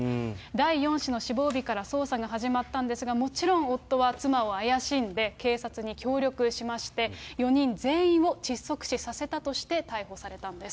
第４子の死亡日から捜査が始まったんですが、もちろん夫は妻を怪しんで、警察に協力しまして、４人全員を窒息死させたとして逮捕されたんです。